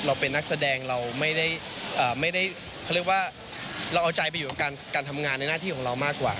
เราเป็นนักแสดงเราไม่ได้เขาเรียกว่าเราเอาใจไปอยู่กับการทำงานในหน้าที่ของเรามากกว่า